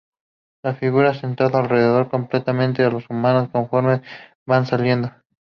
Las figuras sentadas alrededor complementan a los humanos conforme van saliendo.